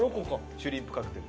シュリンプカクテル。